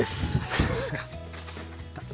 そうですか。